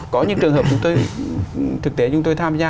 có những trường hợp thực tế chúng tôi tham gia